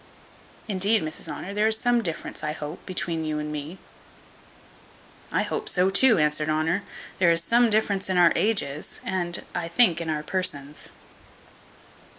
Indeed, Mrs Honour, there is some difference, I hope, between you and me." "I hope so too," answered Honour: "there is some difference in our ages, and I think in our persons."